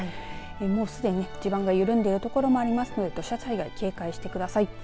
もうすでに地盤が緩んでいるところもありますので土砂災害、警戒してください。